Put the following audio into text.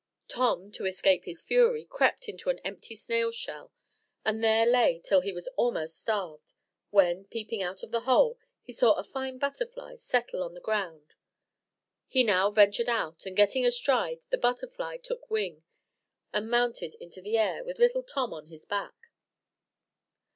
Tom, to escape his fury, crept into an empty snail shell, and there lay till he was almost starved; when, peeping out of the hole, he saw a fine butterfly settle on the ground: he now ventured out, and getting astride, the butterfly took wing, and mounted into the air with little Tom on his back.